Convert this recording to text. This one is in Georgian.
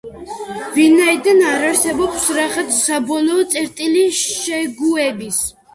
ვინაიდან არ არსებობს რაღაც საბოლოო წერტილი შეგუების.